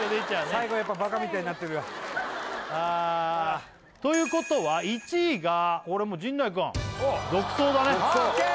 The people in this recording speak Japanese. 最後バカみたいになってるわということは１位がこれもう陣内くん独走だねＯＫ